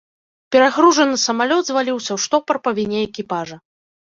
Перагружаны самалёт зваліўся ў штопар па віне экіпажа.